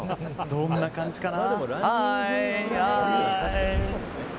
どんな感じかな。